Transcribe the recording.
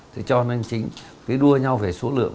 thế cho nên chính cứ đua nhau về số lượng